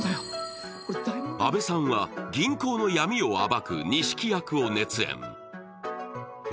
阿部さんは銀行の闇を暴く西木役を熱演。